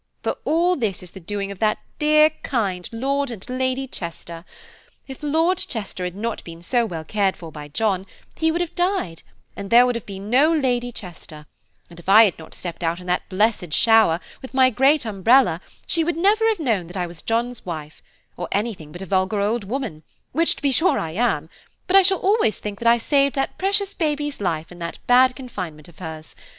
For this is all the doing of that dear kind Lord and Lady Chester. If Lord Chester had not been so well cared for by John, he would have died, and there would have been no Lady Chester; and if I had not stepped out in that blessed shower, with my great umbrella, she would never have known that I was John's wife, or anything but a vulgar old woman, which, to be sure, I am; but I shall always think I saved that precious baby's life in that bad confinement of hers.